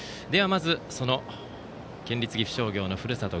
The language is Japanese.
まずその県立岐阜商業のふるさと